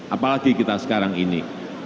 apalagi kita sekarang ini